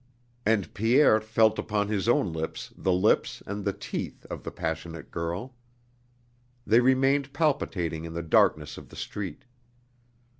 And Pierre felt upon his own lips the lips and the teeth of the passionate girl. They remained palpitating in the darkness of the street.